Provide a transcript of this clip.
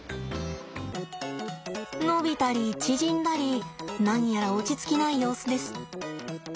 伸びたり縮んだり何やら落ち着きない様子です。